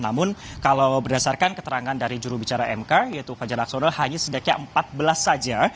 namun kalau berdasarkan keterangan dari jurubicara mk yaitu fajar laksono hanya sedikitnya empat belas saja